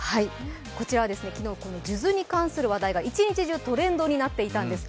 こらちは数珠に関する話題が一日中トレンドになっていたんです。